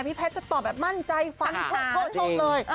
แพทย์จะตอบแบบมั่นใจฟันชกเลย